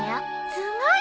すごいね。